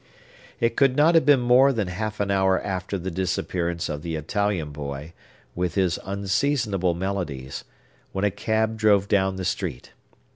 It could not have been more than half an hour after the disappearance of the Italian boy, with his unseasonable melodies, when a cab drove down the street.